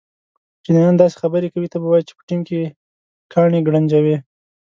چینایان داسې خبرې کوي ته به وایې چې په ټېم کې کاڼي گړنجوې.